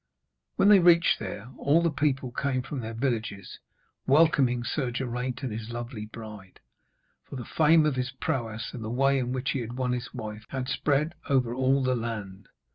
When they reached there, all the people came from their villages welcoming Sir Geraint and his lovely bride, for the fame of his prowess, and the way in which he had won his wife, had spread over all the land.